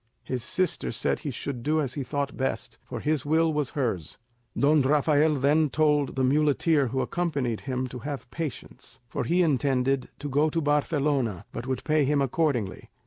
His sister said he should do as he thought best, for his will was hers. Don Rafael then told the muleteer who accompanied him to have patience, for he intended to go to Barcelona, but would pay him accordingly.